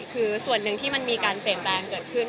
คือส่วนหนึ่งที่มันมีการเปลี่ยนแปลงเกิดขึ้น